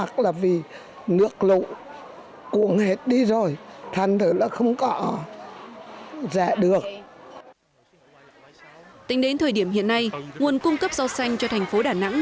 tính đến thời điểm hiện nay nguồn cung cấp rau xanh cho thành phố đà nẵng